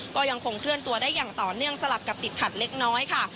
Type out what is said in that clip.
ก็ยังคงเคลื่อนตัวได้อย่างต่อเนื่องสลับกับติดขัดเล็กน้อยค่ะ